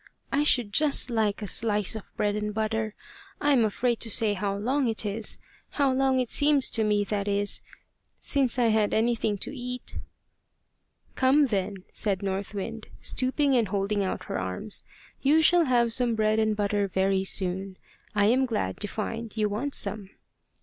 "I should just like a slice of bread and butter! I'm afraid to say how long it is how long it seems to me, that is since I had anything to eat." "Come then," said North Wind, stooping and holding out her arms. "You shall have some bread and butter very soon. I am glad to find you want some."